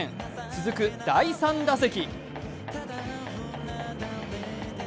続く第３打席。